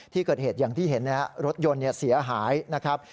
ที่เกิดเหตุอย่างที่เห็นนะครับรถยนต์เสียหายนะครับ